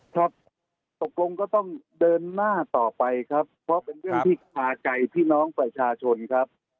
ครับตกลงก็ต้องเดินหน้าต่อไปครับเพราะเป็นเรื่องที่คาใจพี่น้องประชาชนครับ